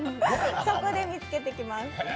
そこで見つけてきます。